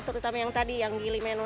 terutama yang tadi yang gili menu